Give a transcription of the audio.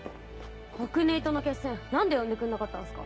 北根壊との決戦何で呼んでくんなかったんすか？